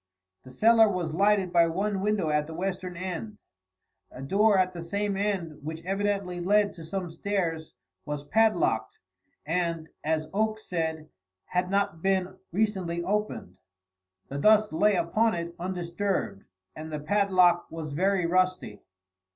The cellar was lighted by one window at the western end. A door at the same end, which evidently led to some stairs, was padlocked, and, as Oakes said, had not been recently opened. The dust lay upon it undisturbed and the padlock was very rusty.